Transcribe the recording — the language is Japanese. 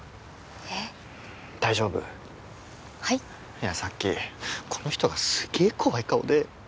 いやさっきこの人がすっげえ怖い顔で